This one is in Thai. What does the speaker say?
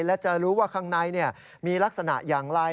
และจะรู้ว่าข้างในมีลักษณะอย่างไร